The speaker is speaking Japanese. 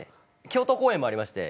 京都公演もありまして。